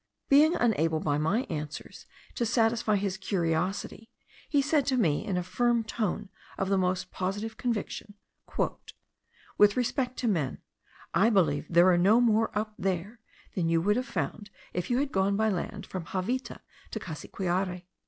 Being unable by my answers to satisfy his curiosity, he said to me in a firm tone of the most positive conviction: "with respect to men, I believe there are no more up there than you would have found if you had gone by land from Javita to Cassiquiare.